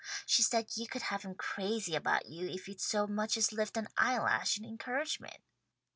She said you could have him crazy about you if you'd so much as lift an eyelash in encouragement."